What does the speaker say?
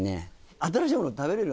新しいもの食べれる？